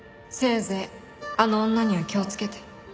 せいぜいあの女には気をつけて。